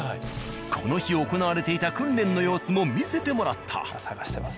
この日行われていた訓練の様子も見せてもらった。